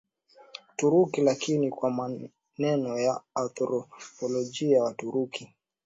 Uturuki Lakini kwa maneno ya anthropolojia Waturuki